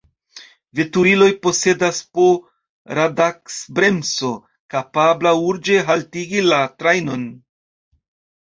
Veturiloj posedas po radaks-bremso, kapabla urĝe haltigi la trajnon.